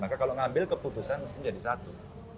maka kalau mengambil keputusan harus menjadi satu